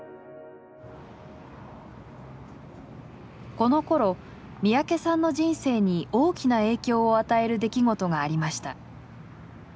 このころ三宅さんの人生に大きな影響を与える出来事がありました。